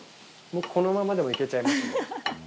このままでもいけちゃいます。